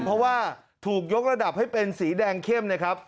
เพราะว่าถูกยกระดับให้เป็นสีแดงเข้มนะครับ